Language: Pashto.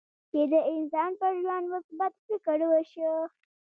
چې د انسان پر ژوند مثبت فکر وشي.